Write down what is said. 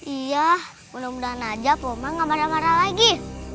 iya mudah mudahan aja poma gak marah marah lagi